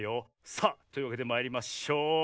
さあというわけでまいりましょう！